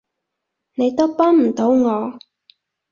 你都幫唔到我